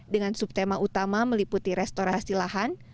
dengan subtema utama meliputi restorasi lahan